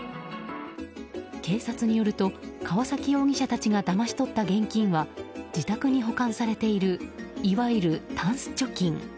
警察によると、川崎容疑者たちがだまし取った現金は自宅に保管されているいわゆる、たんす貯金。